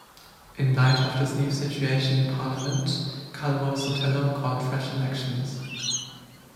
In light of this new situation in Parliament, Calvo Sotelo called fresh elections.